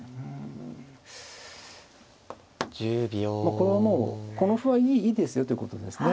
これはもうこの歩はいいですよってことですね。